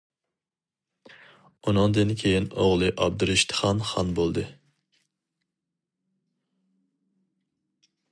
ئۇنىڭدىن كېيىن ئوغلى ئابدۇرىشىتخان خان بولدى.